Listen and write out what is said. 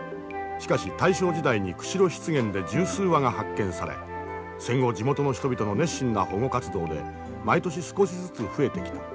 しかし大正時代に釧路湿原で十数羽が発見され戦後地元の人々の熱心な保護活動で毎年少しずつ増えてきた。